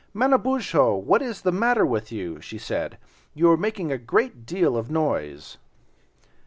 "Manabozho, what is the matter with you?" she said, "you are making a great deal of noise."